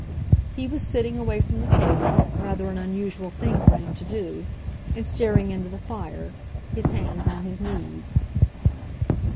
He was sitting away from the table, rather an unusual thing for him to do, and staring into the fire, his hands on his knees.